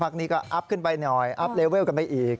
นี้ก็อัพขึ้นไปหน่อยอัพเลเวลกันไปอีก